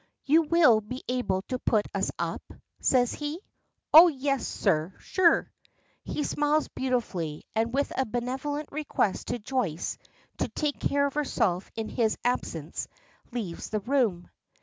"You will be able to put us up?" says he. "Oh yes, sir, sure." He smiles beautifully, and with a benevolent request to Joyce to take care of herself in his absence, leaves the room.